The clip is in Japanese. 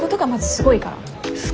すごいから。